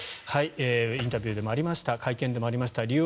インタビューでもありました会見でもありましたリオ